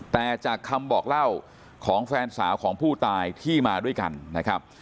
แต่จากคำบอกเล่าของแฟนสาวของผู้ตายที่มาด้วยกันนะครับ